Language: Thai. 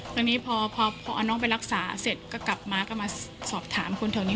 ตอนนี้พอเอาน้องไปรักษาเสร็จก็กลับมาก็มาสอบถามคนแถวนี้